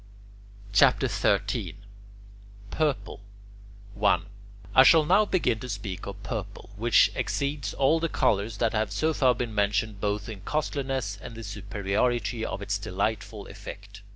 CHAPTER XIII PURPLE 1. I shall now begin to speak of purple, which exceeds all the colours that have so far been mentioned both in costliness and in the superiority of its delightful effect.